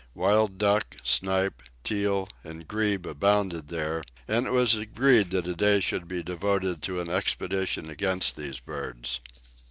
Wild duck, snipe, teal and grebe abounded there, and it was agreed that a day should be devoted to an expedition against these birds.